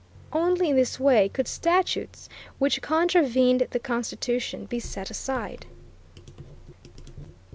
Only in this way could statutes which contravened the Constitution be set aside.